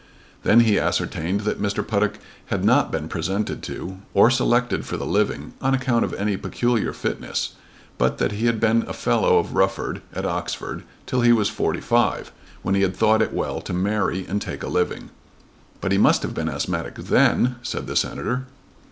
Then he ascertained that Mr. Puttock had not been presented to, or selected for the living on account of any peculiar fitness; but that he had been a fellow of Rufford at Oxford till he was forty five, when he had thought it well to marry and take a living. "But he must have been asthmatic then?" said the Senator.